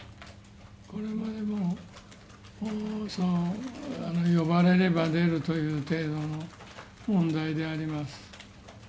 これまでも呼ばれれば出るという程度の問題であります。